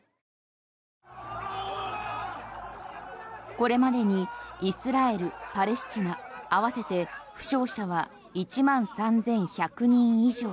これまでにイスラエル・パレスチナ合わせて負傷者は１万３１００人以上。